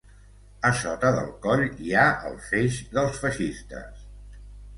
A sota del coll hi ha el feix dels feixistes.